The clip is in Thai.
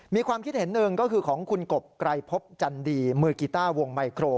มีความคิดเห็นหนึ่งก็คือของคุณกบไกรพบจันดีมือกีต้าวงไมโคร